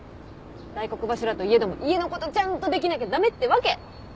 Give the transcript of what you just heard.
大黒柱といえども家のことちゃんとできなきゃ駄目ってわけ。